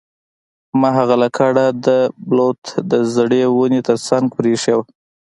ما هغه لکړه د بلوط د زړې ونې ترڅنګ پریښې ده